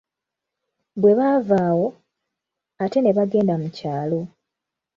Bwe baava awo, ate ne bagenda mu kyalo.